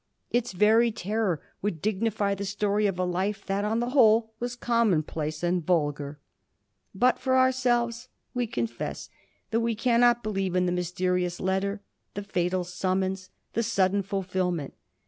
Its very terror would dignify the story of a life that, on the whole, was commonplace and vulgar. But, for our selves, we confess that we caonot believe in the mysterious letter, the &tal summons, the sudden fulfilment.